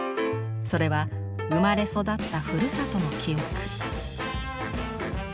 それは生まれ育ったふるさとの記憶。